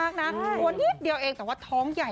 อะไรก็ได้นะ